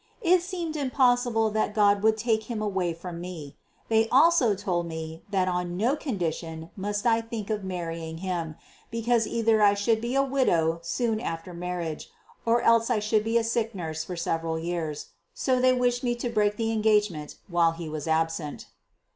It seemed impossible that God would take him away from me. They also told me that on no condition must I think of marrying him, because either I should be a widow soon after marriage, or else I should be a sick nurse for several years. So they wished me to break the engagement while he was absent.